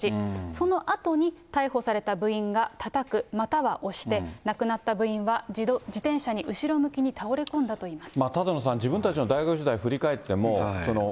そのあとに逮捕された部員がたたく、または押して、亡くなった部員は自転車に後ろ向きに倒れ込んだといいます。